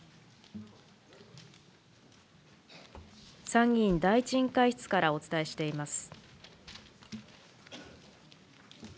参議院第１委員会室からお伝えしています。